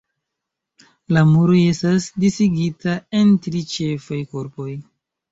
La muroj estas disigita en tri ĉefaj korpoj.